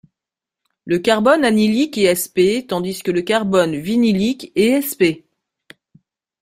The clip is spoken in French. Le carbone allylique est sp tandis que le carbone vinylique est sp.